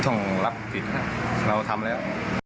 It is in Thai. ต้องรับผิดเราทำแล้ว